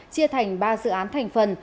chia thành ba dự án thành phần